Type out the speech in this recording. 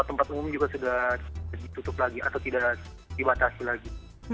masker juga sudah ditutup lagi atau tidak dibatasi lagi